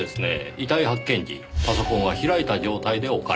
遺体発見時パソコンは開いた状態で置かれていました。